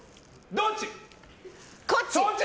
どっち？